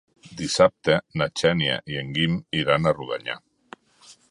Dissabte na Xènia i en Guim iran a Rodonyà.